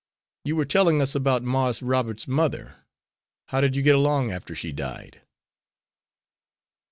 "You were telling us about Marse Robert's mother. How did you get along after she died?"